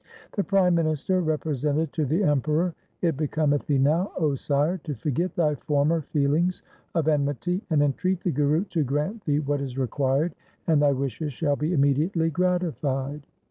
2 The prime minister represented to the Emperor, ' It becometh thee now, O sire, to forget thy former feelings of enmity, and entreat the Guru to grant thee what is required and thy wishes shall be imme diately gratified.